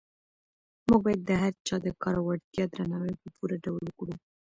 موږ باید د هر چا د کار او وړتیا درناوی په پوره ډول وکړو.